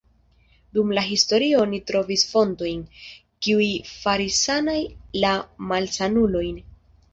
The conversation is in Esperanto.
Dum la historio oni trovis fontojn, kiuj faris sanaj la malsanulojn.